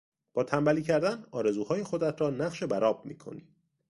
با تنبلی کردن آرزوهای خودت را نقش برآب میکنی.